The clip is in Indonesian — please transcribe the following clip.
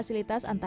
ini dia masalahnya